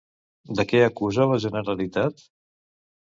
De què acusa la Generalitat?